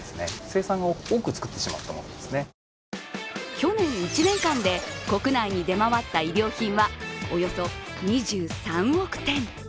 去年１年間で国内に出回った衣料品はおよそ２３億点。